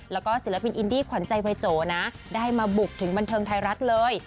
แล้วก็ศิลปินอินดี้ขวัญใจวัยโจนะได้มาบุกถึงบันเทิงไทยรัฐเลย